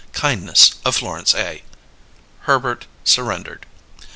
Kindness of Florence A." Herbert surrendered.